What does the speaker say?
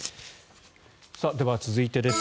では、続いてです。